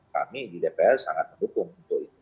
kami di dpr sangat mendukung untuk itu